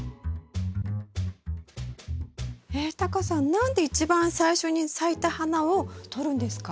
えっタカさん何で一番最初に咲いた花をとるんですか？